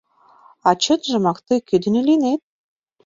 А чынжымак тый кӧ дене лийнет?